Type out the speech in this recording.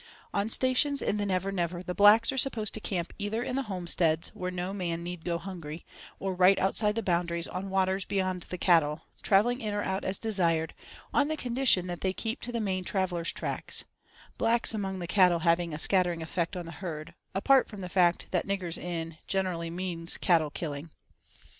On stations in the Never Never the blacks are supposed to camp either in the homesteads, where no man need go hungry, or right outside the boundaries on waters beyond the cattle, travelling in or out as desired, on condition that they keep to the main travellers' tracks—blacks among the cattle having a scattering effect on the herd, apart from the fact that "niggers in" generally means cattle killing.